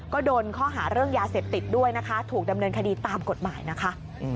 ก็โดนข้อหาเรื่องยาเสพติดด้วยนะคะถูกดำเนินคดีตามกฎหมายนะคะ